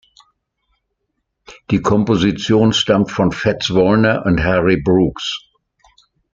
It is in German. Die Komposition stammt von Fats Waller und Harry Brooks.